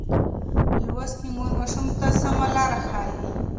لوستې مور ماشوم ته سمه ناسته ښيي.